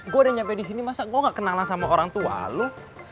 gue udah nyampe disini masa gue nggak kenalan sama orang tua lo